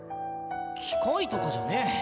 機械とかじゃねえ！